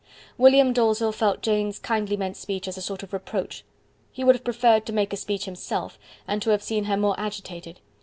William Dalzell felt Jane's kindly meant speech as a sort of reproach. He would have preferred to make a speech himself, and to have seen her more agitated.